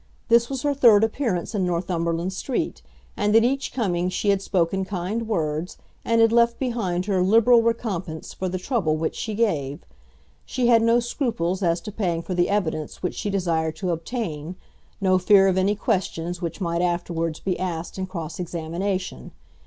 This was her third appearance in Northumberland Street, and at each coming she had spoken kind words, and had left behind her liberal recompense for the trouble which she gave. She had no scruples as to paying for the evidence which she desired to obtain, no fear of any questions which might afterwards be asked in cross examination.